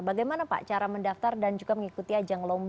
bagaimana pak cara mendaftar dan juga mengikuti ajang lomba